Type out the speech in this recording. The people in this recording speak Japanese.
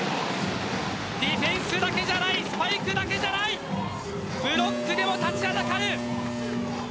ディフェンスだけじゃないスパイクだけじゃないブロックでも立ちはだかる。